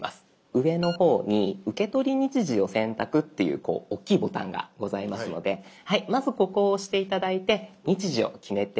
上の方に「受け取り日時を選択」っていうこう大きいボタンがございますのでまずここを押して頂いて日時を決めていきましょう。